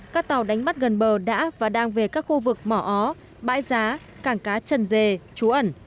các tàu đánh bắt gần bờ đã và đang về các khu vực mỏ ó bãi giá cảng cá trần dề trú ẩn